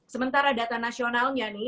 sementara data nasionalnya nih